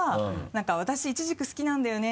何か「私イチジク好きなんだよね」